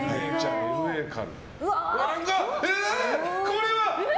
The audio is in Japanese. これは！